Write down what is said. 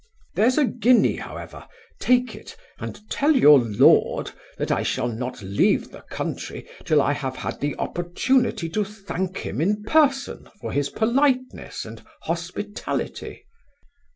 There's a guinea, however; take it, and tell your lord, that I shall not leave the country till I have had the opportunity to thank him in person for his politeness and hospitality.